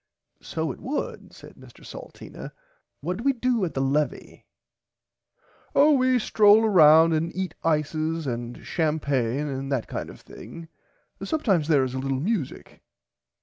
So it would said Mr Salteena what do we do at the levie. Oh we strole round and eat ices and champaigne and that kind of thing and sometimes there is a little music.